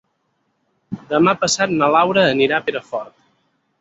Demà passat na Laura anirà a Perafort.